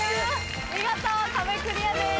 見事壁クリアです。